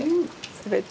全て。